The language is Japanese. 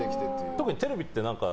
特にテレビって、何か。